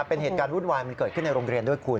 เป็นเหตุการณ์วุ่นวายมันเกิดขึ้นในโรงเรียนด้วยคุณ